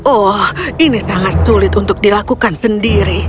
oh ini sangat sulit untuk dilakukan sendiri